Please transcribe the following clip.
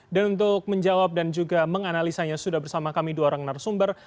dan untuk menjawab dan juga menganalisanya sudah bersama kami dua orang narasumber